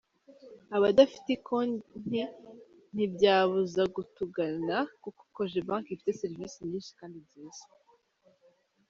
Abadafite konti ntibyabuza kutugana kuko Cogebanque ifite Serivisi nyinshi kandi nziza”.